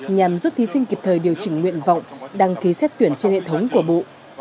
nhằm giúp thí sinh kịp thời điều chỉnh nguyện vọng đăng ký xét tuyển trên hệ thống của bộ